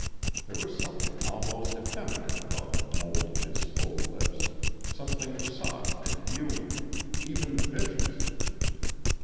There was something almost effeminate about the mould of his full lips, something soft and yielding even vicious.